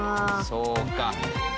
そうか。